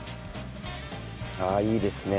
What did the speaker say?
ああいいですねえ。